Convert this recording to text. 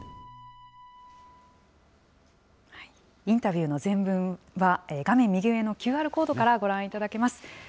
インタビューの全文は、画面右上のＱＲコードからご覧いただけます。